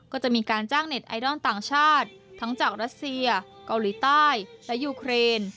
ก็จะมีการจ้างเน็ตไอดอลต่างชาติทั้งจากรัสเซียเกาหลีใต้และยูเครน